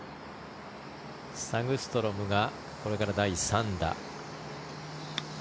サグストロムがこれから第３打。